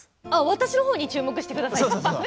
私の方に注目してください。